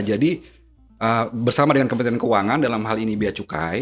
jadi bersama dengan kementerian keuangan dalam hal ini biaya cukai